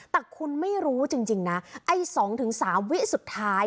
แต่คุณไม่รู้จริงนะไอ้๒๓วิสุดท้าย